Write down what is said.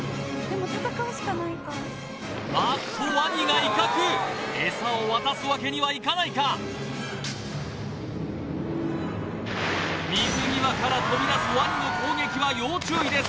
あーっとワニが威嚇エサを渡すわけにはいかないか水際から飛び出すワニの攻撃は要注意です